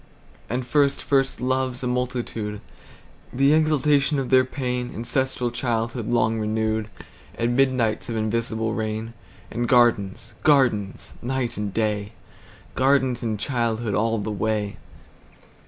And first first loves, a multitude, The exaltation of their pain; Ancestral childhood long renewed; And midnights of invisible rain; And gardens, gardens, night and day, Gardens and childhood all the way.